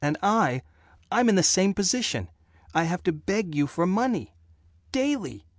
And I I'm in the same position! I have to beg you for money. Daily!